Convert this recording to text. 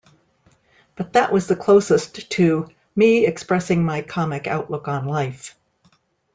But that was the closest to me expressing my comic outlook on life.